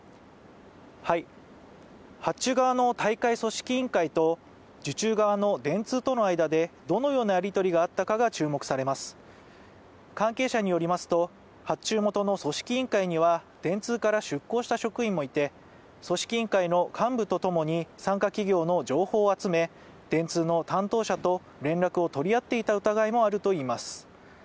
発注側の大会組織委員会と受注側の電通との間でどのようなやり取りがあったかが注目されます関係者によりますと、発注元の組織委員会には電通から出向した職員もいて組織委員会の幹部とともに参加企業の情報を集め、電通の担当者と連絡を取り合っていた疑いもあるといいます。